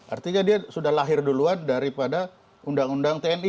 artinya dia sudah lahir duluan daripada undang undang tni